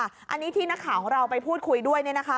อันนี้ที่นักข่าวของเราไปพูดคุยด้วยเนี่ยนะคะ